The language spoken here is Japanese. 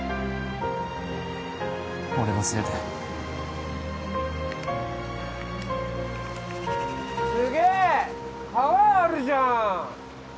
俺のせいですげえ川あるじゃん！